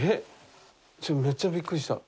めっちゃびっくりした。